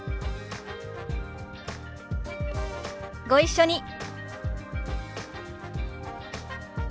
ご一緒に。